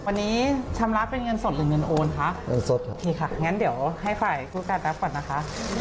วันนี้ชำระเป็นเงินสดหรือเงินโอนค่ะงั้นเดี๋ยวให้ฝ่ายทุกการณ์แบบก่อนนะคะ